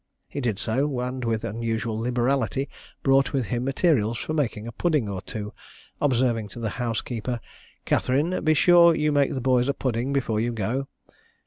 He did so, and with unusual liberality brought with him materials for making a pudding or two, observing to the housekeeper, "Catherine, be sure you make the boys a pudding before you go."